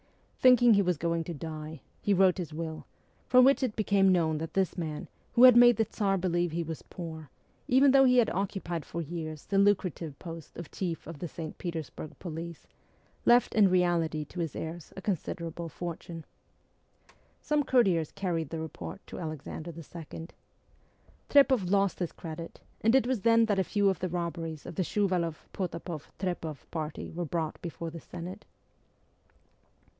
Thinking he was going to die, he wrote his will, from which it became known that this man, who had made the Tsar believe he was poor, even though he had occupied for years the lucrative post of chief of the St. Peters burg police, left in reality to his heirs a considera ble fortune. Some courtiers carried the report to Alexander II. Trepoff lost his credit, and it was then that a few of the robberies of the Shuvaloff Potapoff Trepoff party were brought before the Senate.